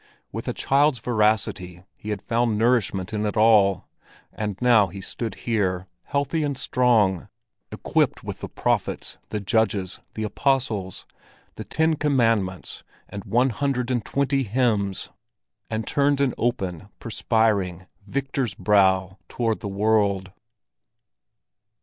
With a child's voracity he had found nourishment in it all; and now he stood here, healthy and strong—equipped with the Prophets, the Judges, the Apostles, the Ten Commandments and one hundred and twenty hymns! and turned an open, perspiring, victor's brow toward the world.